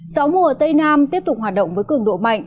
gió mùa tây nam tiếp tục hoạt động với cường độ mạnh